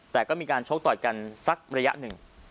แต่ก็มีการชกต่อยกันสักระยะหนึ่ง